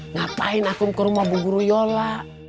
ngapain aku ke rumah bu guru yola